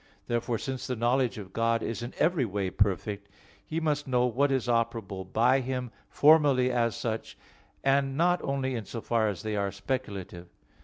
Therefore, since the knowledge of God is in every way perfect, He must know what is operable by Him, formally as such, and not only in so far as they are speculative.